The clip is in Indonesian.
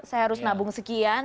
saya harus nabung sekian